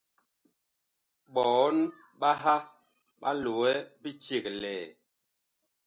Ɓɔɔn ɓaha ɓa loɛ biceglɛɛ.